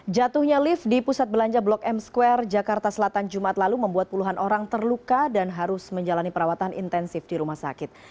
jatuhnya lift di pusat belanja blok m square jakarta selatan jumat lalu membuat puluhan orang terluka dan harus menjalani perawatan intensif di rumah sakit